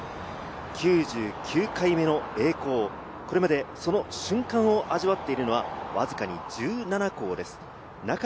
９９回目の栄光、これまでその瞬間を味わっているのは、わずかに１７校です。